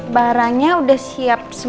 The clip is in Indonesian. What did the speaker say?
aku akan mencerahkan elsa